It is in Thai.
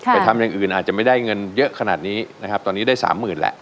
ทำอย่างอื่นอาจจะไม่ได้เงินเยอะขนาดนี้นะครับตอนนี้ได้สามหมื่นแหละ